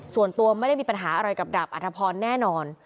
ส่วนตัวไม่ได้มีปัญหาอะไรกับดาบอัธพรแน่นอน